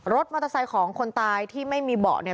รถมอเตอร์ไซค์ของคนตายที่ไม่มีเบาะเนี่ย